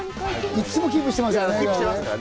いつもキープしてますからね。